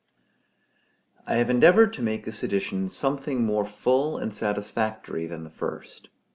I have endeavored to make this edition something more full and satisfactory than the first.